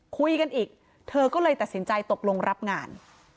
คุยกันอีกเธอก็เลยตัดสินใจตกลงรับงาน